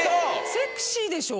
セクシーでしょ。